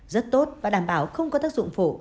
rất tốt và đảm bảo không có tác dụng phụ